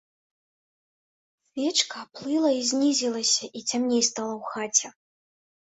Свечка аплыла і знізілася, і цямней стала ў хаце.